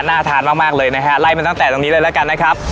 ทานมากเลยนะฮะไล่มาตั้งแต่ตรงนี้เลยแล้วกันนะครับ